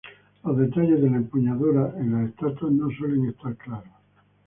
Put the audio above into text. Los detalles de la empuñadura en las estatuas no suelen estar claros.